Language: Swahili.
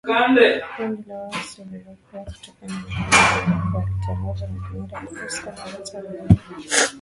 Kundi la waasi liliundwa kutoka kwa kundi lililokuwa likiongozwa na Generali Bosco Ntaganda raia wa Uganda